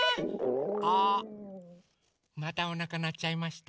あっまたおなかなっちゃいました。